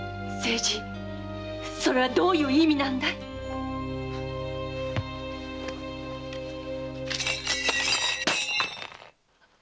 〔清次それはどういう意味なんだい？〕